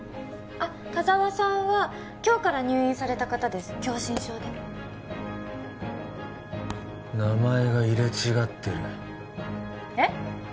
あっ田沢さんは今日から入院された方です狭心症で名前が入れ違ってるえっ？